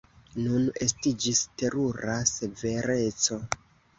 Nun estiĝis terura severeco.